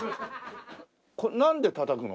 なんでたたくの？